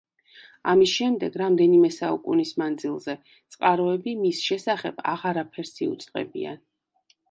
ამის შემდეგ, რამდენიმე საუკუნის მანძილზე, წყაროები მის შესახებ აღარაფერს იუწყებიან.